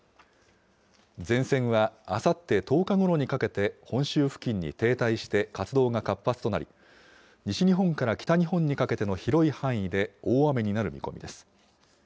前線はあさって１０日ごろにかけて、本州付近に停滞して活動が活発となり、西日本から北日本にかけての広い範囲で大雨になる見込みです。